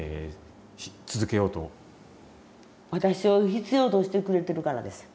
私を必要としてくれてるからですよ。